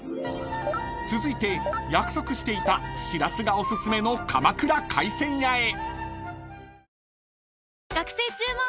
［続いて約束していたしらすがおすすめの鎌倉海鮮やへ］